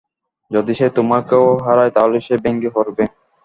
যদি সে তোমাকেও হারায়, তাহলে সে ভেঙে পরবে।